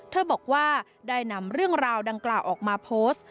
เธอบอกว่าได้นำเรื่องราวดังกล่าวออกมาโพสต์